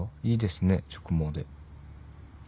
いいですね直毛で。